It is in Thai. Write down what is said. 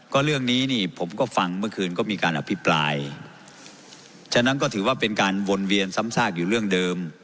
ก็เรื่องนี้นี่ผมก็ฟังเมื่อคืนก็มีการอภิปรายฉะนั้นก็ถือว่าเป็นการวนเวียนซ้ำซากอยู่เรื่องเดิม